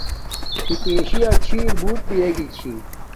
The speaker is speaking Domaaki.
فتشی یا چھر بوت پی یگی چھی